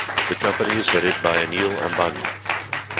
The company is headed by Anil Ambani.